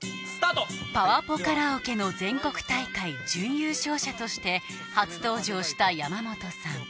パワポカラオケの全国大会準優勝者として初登場した山本さん